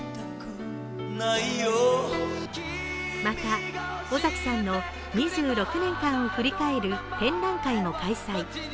また、尾崎さんの２６年間を振り返る展覧会も開催。